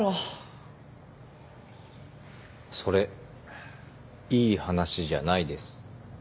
それいい話じゃないです。